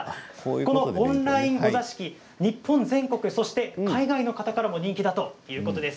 このオンラインお座敷は日本全国、海外の方からも人気だそうです。